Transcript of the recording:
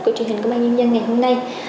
của truyền hình của ban nhân dân ngày hôm nay